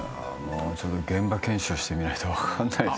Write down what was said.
現場検証してみないと分かんないです。